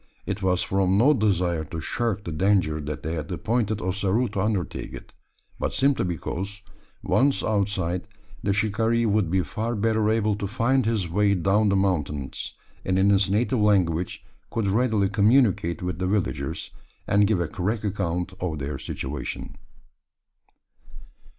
It was from no desire to shirk the danger that they had appointed Ossaroo to undertake it; but simply because, once outside, the shikaree would be far better able to find his way down the mountains: and in his native language could readily communicate with the villagers, and give a correct account of their situation.